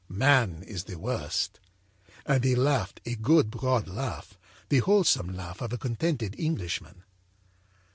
Man is the worst.' âAnd he laughed a good broad laugh, the wholesome laugh of a contented Englishman.